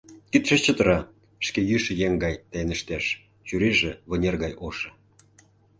Кидше чытыра, шке йӱшӧ еҥ гай тайныштеш, чурийже вынер гай ошо.